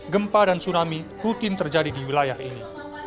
gempa dan tsunami rutin terjadi di wilayah ini